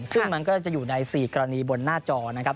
ซึ่งมันก็จะอยู่ใน๔กรณีบนหน้าจอนะครับ